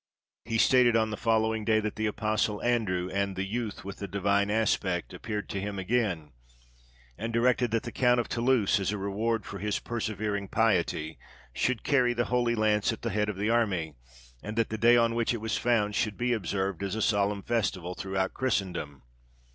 He stated on the following day, that the Apostle Andrew and "the youth with the divine aspect" appeared to him again, and directed that the Count of Toulouse, as a reward for his persevering piety, should carry the Holy Lance at the head of the army, and that the day on which it was found should be observed as a solemn festival throughout Christendom.